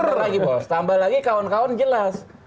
terus kita tambah lagi kawan kawan jelas